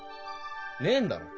ねえんだろ？